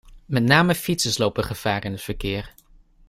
Met name fietsers lopen gevaar in het verkeer.